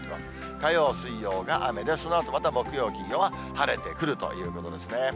火曜、水曜が雨で、そのあとまた木曜、金曜は晴れてくるということですね。